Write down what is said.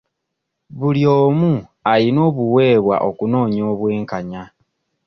Buli omu ayina obuweebwa okunoonya obw'enkanya.